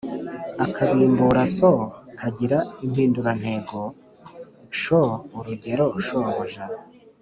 Akabimbura “so” kagira impindurantego “sho”. Urugero: shobuja